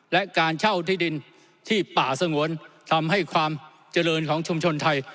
และการเช่าที่ดินที่ป่าสงวนทำให้ความเจริญของชุมชนไทย